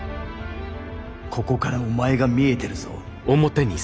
ここからお前が見えてるぞ。